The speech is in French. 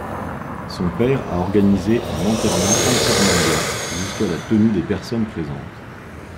Son père a organisé un enterrement entièrement blanc, jusqu'à la tenue des personnes présentes.